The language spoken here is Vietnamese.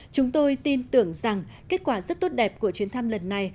chúng tôi tin tưởng rằng kết quả rất tốt đẹp của chuyến thăm lần này